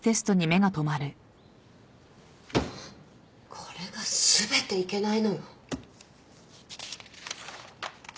これが全ていけないのよ。